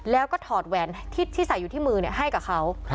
แล้วก็ถอดแหวนที่ใส่อยู่ที่มือให้กับเขา